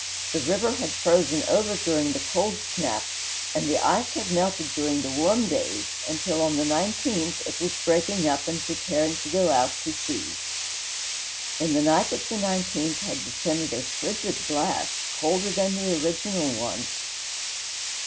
The river had frozen over during the "cold snap," and the ice had melted during the warm days, until, on the 19th, it was breaking up and preparing to go out to sea. In the night of the 19th had descended a frigid blast, colder than the original one.